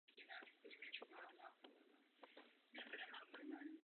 Během druhé světové války byla tato firma začleněna do německého konsorcia.